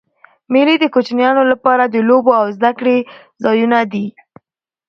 مېلې د کوچنيانو له پاره د لوبو او زدهکړي ځایونه دي.